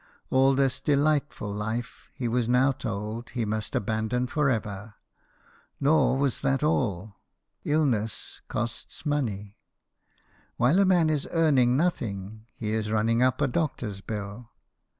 All this delightful life he was now told he must abandon for ever. Nor was that all. Illness costs money. While a man is earning nothing, he is running up a doctor's bill.